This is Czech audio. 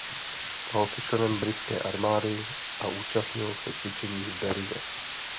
Stal se členem britské armády a účastnil se cvičení v Belize.